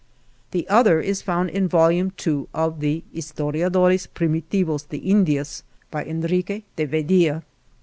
The other is found in Volume II of the Historiadores primitivos de Indias, by Eii riqae de Vedia.